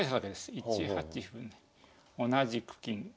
１八歩に同じく金。